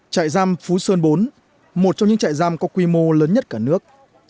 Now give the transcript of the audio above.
trại giam phú sơn bốn một trong những trại giam có quy mô lớn nhất cả nước